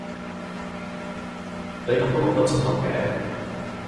你咁都講得出口嘅？